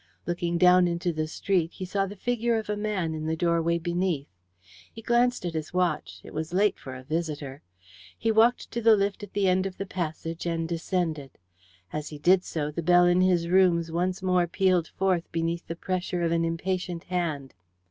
Looking down into the street, he saw the figure of a man in the doorway beneath. He glanced at his watch. It was late for a visitor. He walked to the lift at the end of the passage and descended. As he did so, the bell in his rooms once more pealed forth beneath the pressure of an impatient hand.